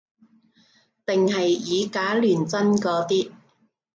定係以假亂真嗰啲